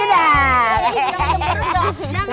jangan cemberut dong